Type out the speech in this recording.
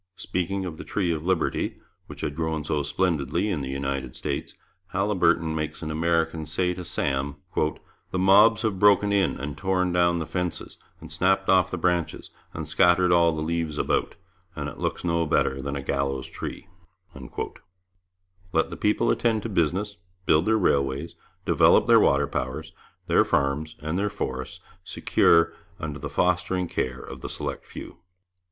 [Illustration: THOMAS CHANDLER HALIBURTON. From an engraving in the Dominion Archives] Speaking of the tree of Liberty, which had grown so splendidly in the United States, Haliburton makes an American say to Sam: 'The mobs have broken in and torn down the fences, and snapped off the branches, and scattered all the leaves about, and it looks no better than a gallows tree.' Let the people attend to business, build their railways, develop their water powers, their farms, and their forests, secure under the fostering care of the select few.